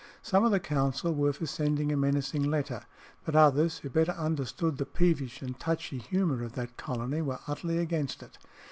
Some of the council were for sending a menacing letter, but others who better understood the peevish and touchy humour of that colony were utterly against it."